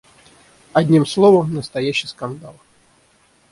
Одним словом, настоящий скандал.